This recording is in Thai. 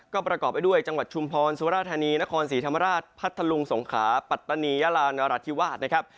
ก็ประกอบไปด้วยจังหวัดชุมพรสุราธานีนครศรีธรรมราชพัทธลุงสงขาปัตตานียาลานรัฐธิวาสนะครับ